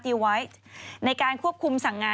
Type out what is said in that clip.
พี่ชอบแซงไหลทางอะเนาะ